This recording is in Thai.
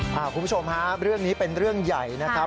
คุณผู้ชมฮะเรื่องนี้เป็นเรื่องใหญ่นะครับ